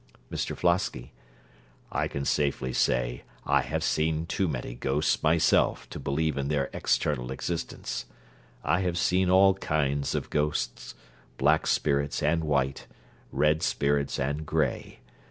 MR FLOSKY I can safely say I have seen too many ghosts myself to believe in their external existence. I have seen all kinds of ghosts: black spirits and white, red spirits and grey.